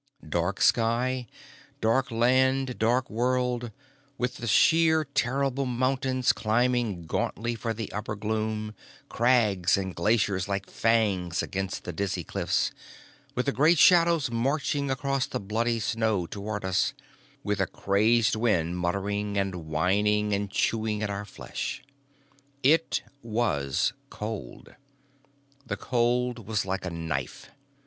Dark sky, dark land, dark world, with the sheer terrible mountains climbing gauntly for the upper gloom, crags and glaciers like fangs against the dizzy cliffs, with the great shadows marching across the bloody snow toward us, with a crazed wind muttering and whining and chewing at our flesh. It was cold. The cold was like a knife.